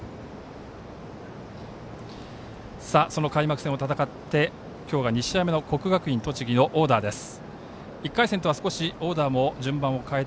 その開幕戦を戦って、２試合目の国学院栃木のオーダーです。